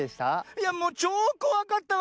いやもうちょうこわかったわ！